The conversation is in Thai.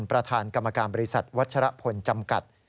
ประธานกรรมการบริษัทวัชรพลจำกัด